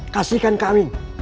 kasihkan ke amin